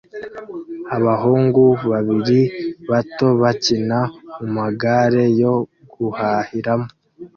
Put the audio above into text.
Abahungu babiri bato bakina mumagare yo guhahiramo